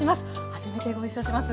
初めてご一緒します。